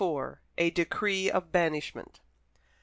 A DECREE OF BANISHMENT.